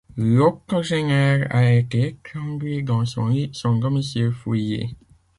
L'octogénaire a été étranglée dans son lit, son domicile fouillé.